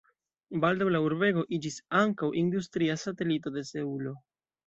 Baldaŭ la urbego iĝis ankaŭ industria satelito de Seulo.